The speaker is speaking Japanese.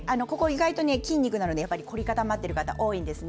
筋肉なので凝り固まってる方、多いんですね。